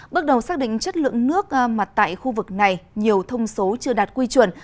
bước đầu xác định chất lượng nước mặt tại khu vực này nhiều thông số chưa đạt quy chuẩn